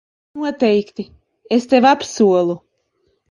Noteikti, es tev apsolu.